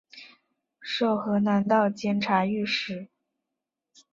授河南道监察御史。